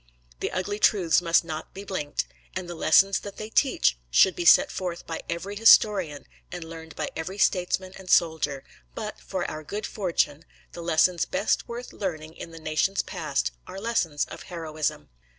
The ugly truths must not be blinked, and the lessons they teach should be set forth by every historian, and learned by every statesman and soldier; but, for our good fortune, the lessons best worth learning in the nation's past are lessons of heroism.